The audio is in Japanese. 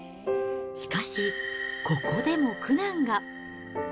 しかし、ここでも苦難が。